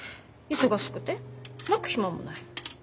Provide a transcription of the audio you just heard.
忙しくて泣く暇もない。